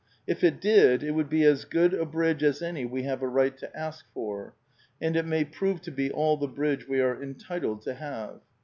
If it did it woiQd be as good a bridge as any we have a right to ask for ; and it may prove to be all the bridge we are entitled to have.